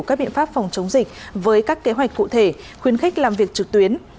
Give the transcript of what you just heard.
các biện pháp phòng chống dịch với các kế hoạch cụ thể khuyến khích làm việc trực tuyến